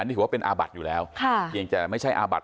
อันนี้ถือว่าเป็นอาบัติอยู่แล้วยังจะไม่ใช่อาบัติ